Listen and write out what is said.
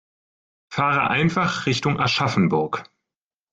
Fahre einfach Richtung Aschaffenburg